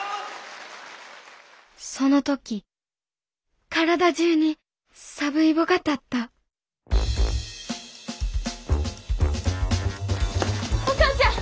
その時体中にサブイボが立ったお母ちゃん！